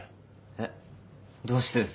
えっどうしてですか？